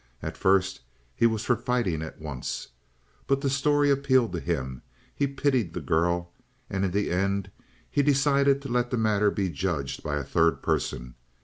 At first he was for fighting at once. But the story appealed to him. He pitied the girl. And in the end he decided to let the matter be judged by a third person.